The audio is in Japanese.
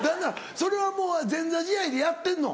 それはもう前座試合でやってんの？